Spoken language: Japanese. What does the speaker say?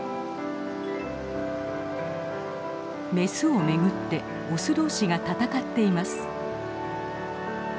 メスを巡ってオス同士が闘っています。